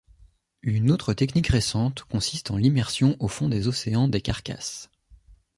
Une autre technique récente, consiste en l'immersion au fond des océans des carcasses.